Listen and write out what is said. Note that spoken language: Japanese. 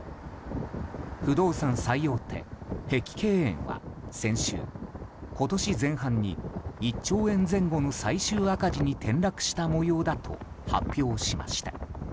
不動産最大手、碧桂園は先週今年前半に１兆円前後の最終赤字に転落した模様だと発表しました。